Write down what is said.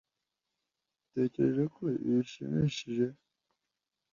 Utekereza ko ibi bishimishije?